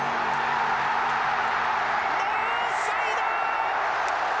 ノーサイド！